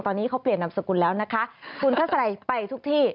ตอนนี้เขาเปลี่ยนนามสกุลแล้วนะคะคุณทัศนัยไปทุกที่